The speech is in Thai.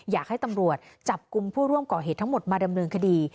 อยากให้ตำรวจจับกลุ่มผู้ร่วมก่อเหตุทั้งหมดมาดำเนินคดี